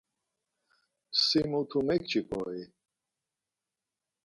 Si mutu mekçiǩo-i?